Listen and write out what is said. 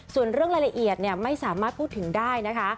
ส่วนเรื่องรายละเอียดไม่สามารถพูดถึงได้นะคะ